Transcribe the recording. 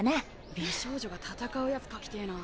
美少女が戦うやつ描きてぇなぁ。